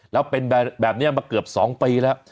แล้วเป็นแบบนี้มาเกือบ๒ปีแล้ว